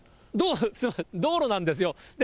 道路、道路なんですよ。